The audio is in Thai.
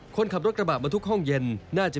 คนขับรถกระบะมาทุกห้องเย็นน่าจะ